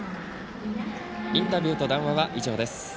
インタビューと談話は以上です。